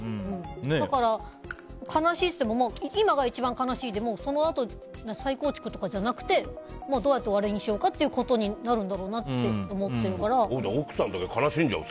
だから、悲しいって言っても今が一番悲しいでそのあと再構築とかじゃなくてどうやって終わりにしようかということになるんだろうなって奥さん悲しんじゃうよ。